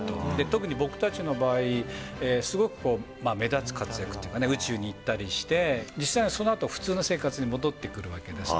特に僕たちの場合、すごく目立つ活躍っていうかね、宇宙に行ったりして、実際はそのあと普通の生活に戻ってくるわけです。